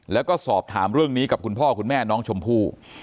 แล้วก็สอบถามเรื่องนี้กับคุณพ่อคุณแม่น้องชมพู่